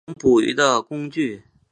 梁是一种捕鱼的工具。